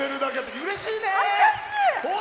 うれしいね！